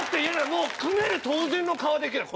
もう組める当然の顔でくる。